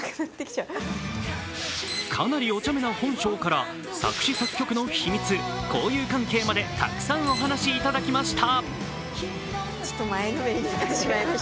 かなりおちゃめな本性から作詞作曲の秘密、交友関係までたくさんお話しいただきました。